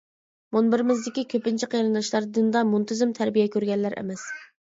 مۇنبىرىمىزدىكى كۆپىنچە قېرىنداشلار دىندا مۇنتىزىم تەربىيە كۆرگەنلەر ئەمەس.